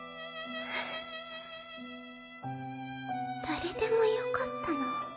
誰でもよかったの？